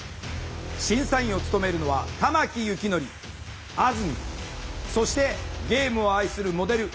審査員を務めるのは玉木幸則あずみんそしてゲームを愛するモデル